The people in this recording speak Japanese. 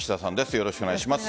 よろしくお願いします。